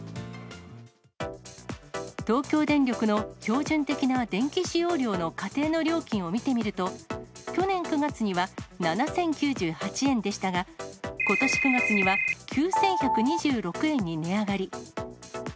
東京電力の標準的な電気使用量の家庭の料金を見てみると、去年９月には７０９８円でしたが、ことし９月には９１２６円に値上がり。